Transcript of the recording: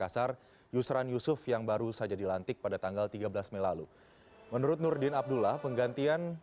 seorang kal verdict